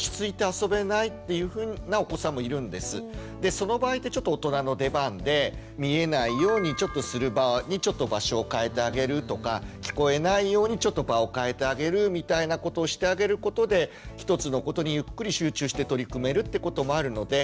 その場合ってちょっと大人の出番で見えないようにちょっとする場にちょっと場所を変えてあげるとか聞こえないようにちょっと場を変えてあげるみたいなことをしてあげることで１つのことにゆっくり集中して取り組めるってこともあるので。